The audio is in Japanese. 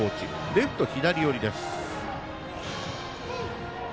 レフトは左寄りです。